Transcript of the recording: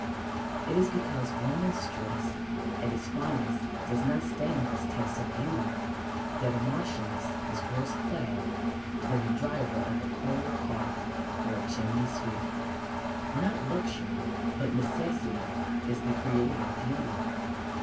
It is because woman's dress at its finest does not stand this test of beauty that a marchioness is worse clad than the driver of a coal cart or a chimney sweep. Not luxury, but necessity, is the creator of beauty.